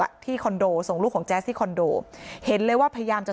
ที่คอนโดส่งลูกของแจ๊สที่คอนโดเห็นเลยว่าพยายามจะ